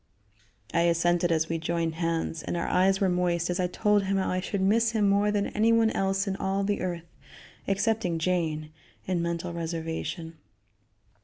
I assented as we joined hands, and our eyes were moist as I told him how I should miss him more than anyone else in all the earth excepting Jane, in mental reservation.